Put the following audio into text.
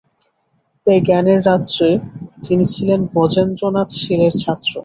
এই জ্ঞানের রাজ্যে তিনি ছিলেন ব্রজেন্দ্রনাথ শীলের ছাত্র।